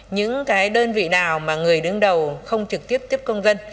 những cái đơn vị nào mà người đứng đầu không trực tiếp tiếp công dân